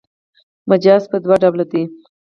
مجاز پر دوه ډوله دﺉ.